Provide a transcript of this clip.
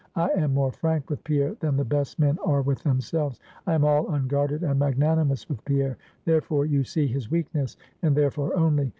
I am more frank with Pierre than the best men are with themselves. I am all unguarded and magnanimous with Pierre; therefore you see his weakness, and therefore only.